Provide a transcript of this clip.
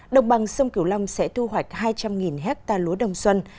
đồng bằng sông kiểu long sẽ thu hoạch hai trăm linh ha lúa đông xuân